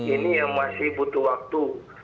ini yang masih butuh waktu